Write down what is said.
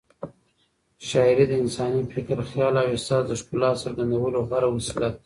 شاعري د انساني فکر، خیال او احساس د ښکلا څرګندولو غوره وسیله ده.